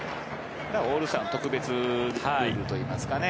オールスターは特別ルールといいますかね。